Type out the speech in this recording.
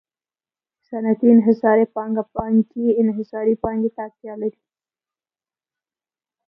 صنعتي انحصاري پانګه بانکي انحصاري پانګې ته اړتیا لري